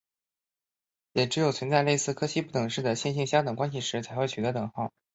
只有存在类似于柯西不等式的线性相关关系时才会取得等号。